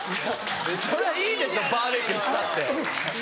別にいいでしょバーベキューしたって。